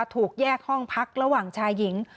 ถูกแยกห้องพักระหว่างชายหญิง